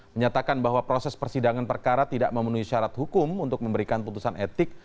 menyatakan bahwa proses persidangan perkara tidak memenuhi syarat hukum untuk memberikan putusan etik